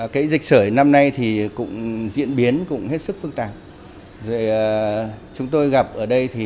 cái dịch sởi năm nay thì cũng diễn biến cũng hết sức phức tạp rồi chúng tôi gặp ở đây thì